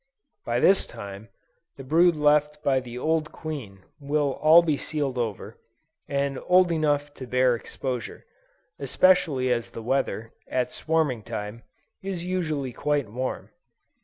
By this time, the brood left by the old queen, will all be sealed over, and old enough to bear exposure, especially as the weather, at swarming time, is usually quite warm.